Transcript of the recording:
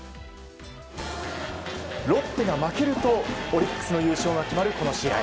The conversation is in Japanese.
ロッテが負けるとオリックスの優勝が決まるこの試合。